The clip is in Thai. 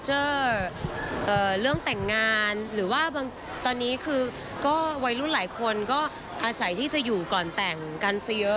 หรือว่าตอนนี้คือวัยรุ่นหลายคนก็อาศัยที่จะอยู่ก่อนแต่งกันเฉย